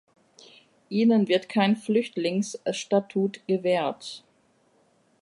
Ihnen wird kein Flüchtlingsstatut gewährt.